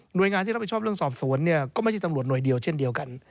โดยงานที่รับผิดชอบเรื่องสอบสวนเนี่ยก็ไม่ใช่ตำรวจหน่วยเดียวเช่นเดียวกัน